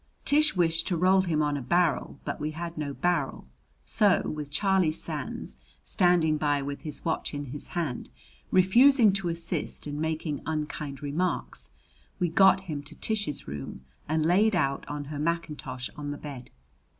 Tish wished to roll him on a barrel, but we had no barrel; so, with Charlie Sands standing by with his watch in his hand, refusing to assist and making unkind remarks, we got him to Tish's room and laid out on her mackintosh on the bed.